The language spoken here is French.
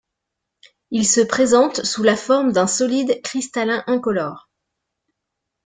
Il se présente sous la forme d'un solide cristallin incolore.